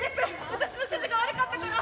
私の指示が悪かったから。